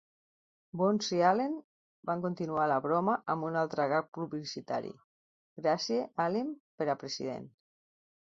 Burns i Allen van continuar la broma amb un altre gag publicitari: "Gracie Allen per a president".